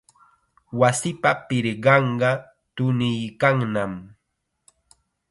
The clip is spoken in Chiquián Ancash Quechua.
Wasipa pirqanqa tuniykannam.